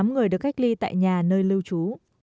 tám trăm bảy mươi tám người được cách ly tại nhà nơi lưu trú